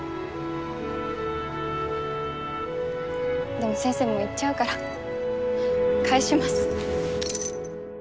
でも先生もう行っちゃうから返します。